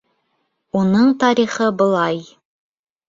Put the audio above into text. Уның тарихы былай.